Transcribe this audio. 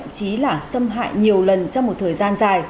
chí là xâm hại nhiều lần trong một thời gian dài